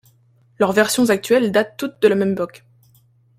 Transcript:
Leurs versions actuelles datent toutes de la même époque.